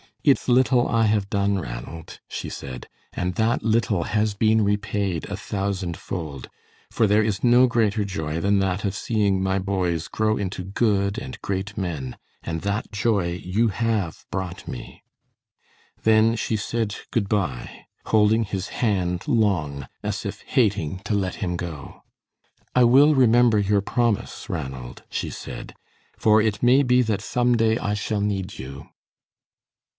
"It's little I have done, Ranald," she said, "and that little has been repaid a thousand fold, for there is no greater joy than that of seeing my boys grow into good and great men and that joy you have brought me." Then she said good by, holding his hand long, as if hating to let him go. "I will remember your promise, Ranald," she said, "for it may be that some day I shall need you."